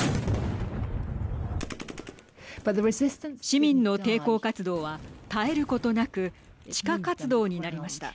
市民の抵抗活動は絶えることなく地下活動になりました。